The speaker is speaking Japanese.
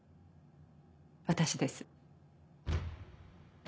私です。